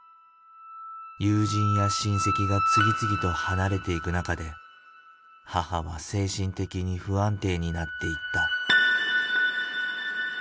友人や親戚が次々と離れていく中で母は精神的に不安定になっていった。